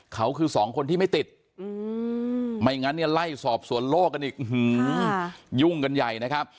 เขาคือสองคนที่ไม่ติดไม่งั้นเนี่ยไล่สอบสวนโลกกันอีกยุ่งกันใหญ่นะครับ